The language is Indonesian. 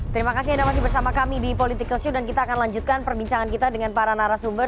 terima kasih anda masih bersama kami di political show dan kita akan lanjutkan perbincangan kita dengan para narasumber